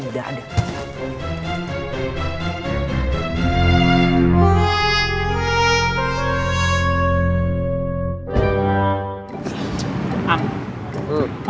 israelites itu adalah greta